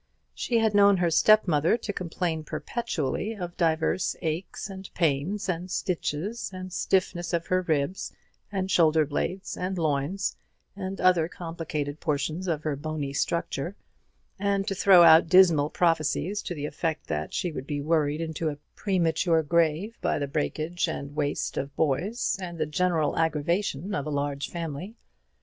She had known her step mother to complain perpetually of divers aches, and pains, and "stitches," and stiffness of her ribs and shoulder blades and loins, and other complicated portions of her bony structure, and to throw out dismal prophecies to the effect that she would be worried into a premature grave by the breakage and waste of boys, and the general aggravation of a large family.